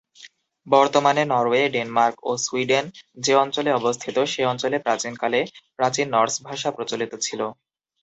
বর্তমান Norway, Denmark ও Sweden যে অঞ্চলে অবস্থিত, সে অঞ্চলে প্রাচীনকালে প্রাচীন নর্স ভাষা প্রচলিত ছিল।